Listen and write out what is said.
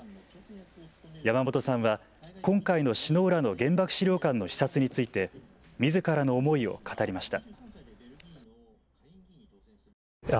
山本さんは今回の首脳らの原爆資料館の視察についてみずからの思いを語りました。